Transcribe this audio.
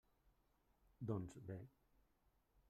Doncs bé!